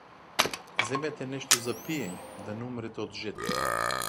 Земете нешто за пиење да не умрете од жед.